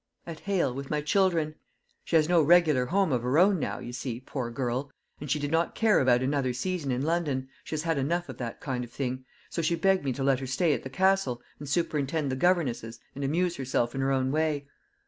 "At Hale, with my children. She has no regular home of her own now, you see, poor girl, and she did not care about another season in London she has had enough of that kind of thing so she begged me to let her stay at the Castle, and superintend the governesses, and amuse herself in her own way.